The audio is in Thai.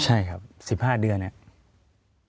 ใช่ครับสิบห้าเดือนเนี่ย